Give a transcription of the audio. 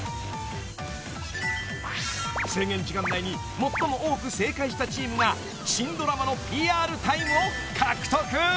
［制限時間内に最も多く正解したチームが新ドラマのＰＲタイムを獲得］